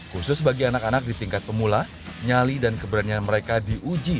khusus bagi anak anak di tingkat pemula nyali dan keberanian mereka diuji